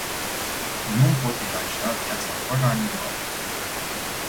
Nu îmi pot imagina viața fără animale.